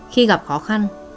khi gặp khó khăn